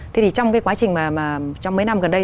trong cái quá trình mà trong mấy năm gần đây